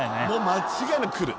間違いなくくる。